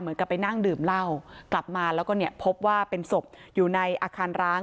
กลับไปนั่งดื่มเหล้ากลับมาแล้วก็เนี่ยพบว่าเป็นศพอยู่ในอาคารร้าง